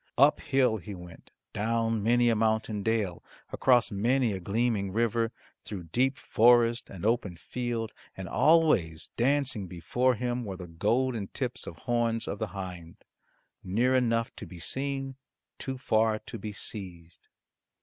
Up hill he went, down many a mountain dale, across many a gleaming river, through deep forest and open field, and always dancing before him were the golden tips of horns of the hind near enough to be seen, too far to be seized.